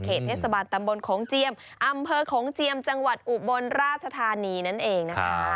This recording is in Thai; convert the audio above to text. เทศบาลตำบลโขงเจียมอำเภอโขงเจียมจังหวัดอุบลราชธานีนั่นเองนะคะ